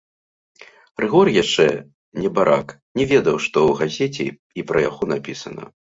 Рыгор яшчэ, небарак, не ведаў, што ў газеце і пра яго напісана.